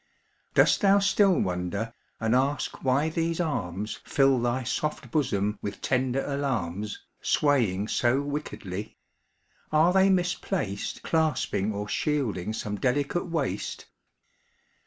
Dost thou still wonder, and ask why these arms Fill thy soft bosom with tender alarms, Swaying so wickedly? Are they misplaced Clasping or shielding some delicate waist?